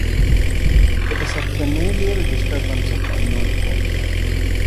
It is a familial disturbance of unknown cause.